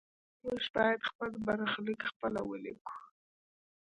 موږ باید خپل برخلیک خپله ولیکو.